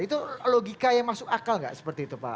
itu logika yang masuk akal nggak seperti itu pak